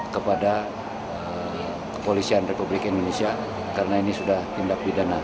kepada kepolisian republik indonesia karena ini sudah tindak pidana